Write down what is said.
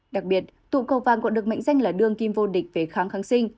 đặc biệt tụ cầu vang còn được mệnh danh là đường kim vô địch về kháng kháng sinh